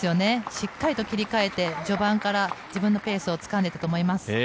しっかりと切り替えて序盤から自分のペースをつかんでいったと思います。